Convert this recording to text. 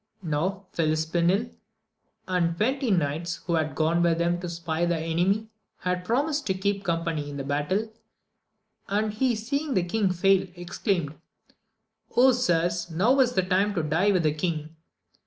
Now FHispinel and the twenty knights who had gone with him to spy the enemy, had promised to keep company in the bat tle, and he seeing the kiug fall, exclaimed, sirs, now is the time to die with the king